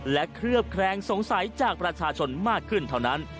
และเคลือบแคลงสงสัยจากประชาชนมากขึ้นเท่านั้น